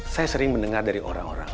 saya sering mendengar dari orang orang